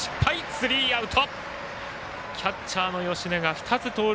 スリーアウト。